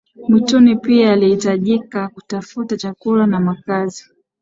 mwituni pia alihitajika kutafuta chakula na makazi